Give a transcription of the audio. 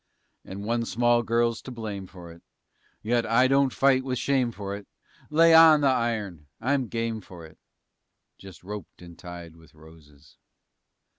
And one small girl's to blame for it, Yet I don't fight with shame for it Lay on the iron; I'm game for it, Just roped and tied with roses.